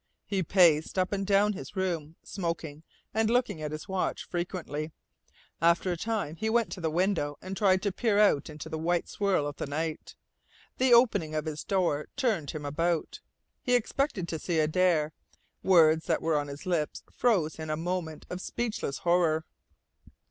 He paced up and down his room, smoking, and looking at his watch frequently. After a time he went to the window and tried to peer out into the white swirl of the night. The opening of his door turned him about. He expected to see Adare. Words that were on his lips froze in a moment of speechless horror.